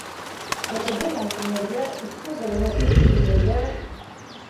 Береһе Йәнтимергә, иссу береһе Биктимергә...